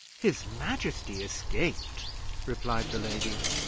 "His majesty escaped!" replied the lady.